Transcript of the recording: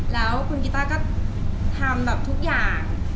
แล้วคุณกิต้าก็ทำแบบทุกอย่าง